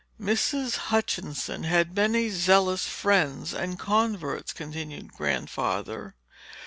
"Mrs. Hutchinson had many zealous friends and converts," continued Grandfather.